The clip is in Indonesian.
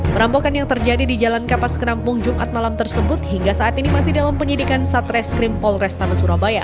perampokan yang terjadi di jalan kapas kerampung jumat malam tersebut hingga saat ini masih dalam penyidikan satreskrim polrestabes surabaya